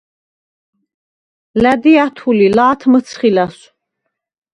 ლა̈დი ა̈თუ ლი, ლა̄თ მჷცხი ლა̈სვ.